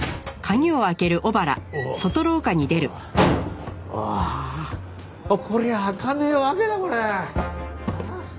うわあこりゃあ開かねえわけだこれ。